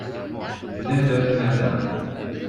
Neuf heures du matin.